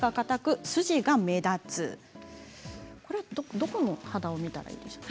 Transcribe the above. どこの肌を見たらいいですか？